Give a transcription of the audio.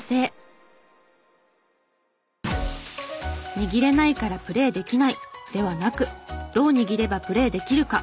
握れないからプレーできないではなくどう握ればプレーできるか。